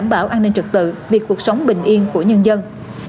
cảm bảo an ninh trực tự việc cuộc sống bình yên của nhân dân